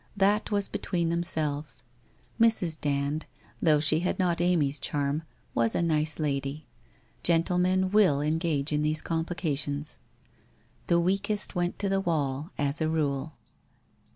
That was between themselves. Mrs. Dand, though she had not Amy's charm, was a nice lady. Gentlemen will engage in these complications. ... The weakest went to the wall, as a rule.